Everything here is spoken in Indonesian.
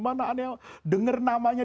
mana ada yang denger namanya